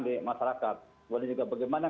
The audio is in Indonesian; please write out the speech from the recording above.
di masyarakat kemudian juga bagaimana